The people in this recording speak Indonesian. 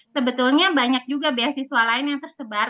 sebetulnya banyak juga beasiswa lain yang tersebar